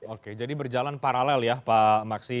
oke jadi berjalan paralel ya pak maksi